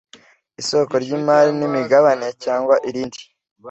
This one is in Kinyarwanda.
Isoko ry imari n imigabane cyangwa irindi